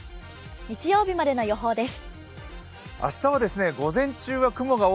日曜日までの予報です。